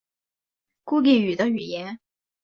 孤立语的语言。